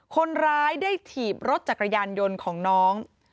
คนร้ายได้ถีบรถจักรยานยนต์ของน้อง